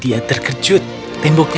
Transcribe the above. dia bisa melihat menembus temboknya